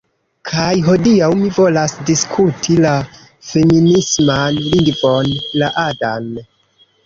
Kaj hodiaŭ mi volas diskuti la feminisman lingvon, Láadan